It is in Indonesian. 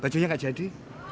bajunya gak jadi